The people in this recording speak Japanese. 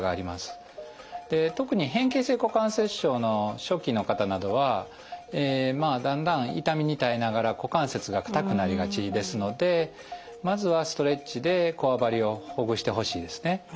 特に変形性股関節症の初期の方などはまあだんだん痛みに耐えながら股関節が硬くなりがちですのでまずはストレッチでこわばりをほぐしてほしいですね。